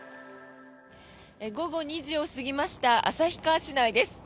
午後２時を過ぎました旭川市内です。